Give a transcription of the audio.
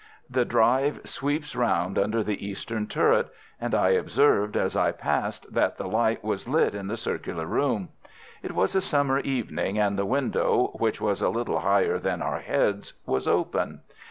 The drive sweeps round under the eastern turret, and I observed as I passed that the light was lit in the circular room. It was a summer evening, and the window, which was a little higher than our heads, was open.